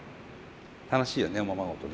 楽しいよねおままごとね。